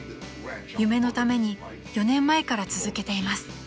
［夢のために４年前から続けています］